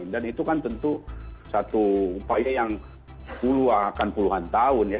dan itu kan tentu satu upaya yang puluhan tahun ya